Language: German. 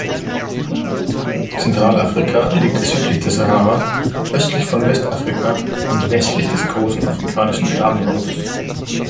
Zentralafrika liegt südlich der Sahara, östlich von Westafrika und westlich des Großen Afrikanischen Grabenbruchs.